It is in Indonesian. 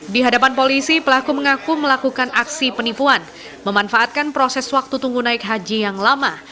di hadapan polisi pelaku mengaku melakukan aksi penipuan memanfaatkan proses waktu tunggu naik haji yang lama